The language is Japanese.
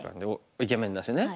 イケメンだしね。